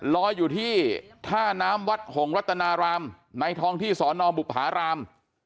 ลอยอยู่ที่ท่าน้ำวัดหงรัตนารามในท้องที่สอนอบุภาราม